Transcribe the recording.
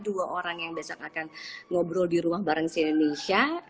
dua orang yang besok akan ngobrol di rumah bareng si indonesia